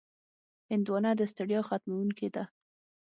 هندوانه د ستړیا ختموونکې ده.